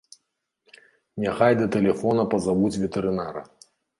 Няхай да тэлефона пазавуць ветэрынара.